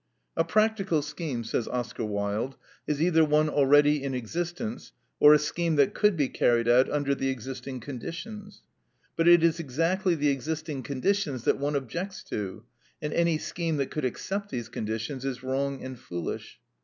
A practical scheme, says Oscar Wilde, is either one already in existence, or a scheme that could be carried out under the existing conditions; but it is exactly the existing conditions that one objects to, and any scheme that could accept these conditions is wrong and foolish.